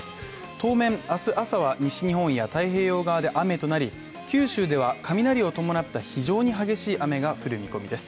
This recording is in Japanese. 当面、明日朝は西日本や太平洋側で雨となり九州では雷を伴った非常に激しい雨が降る見込みです。